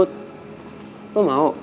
untung yang lain salah urut lagi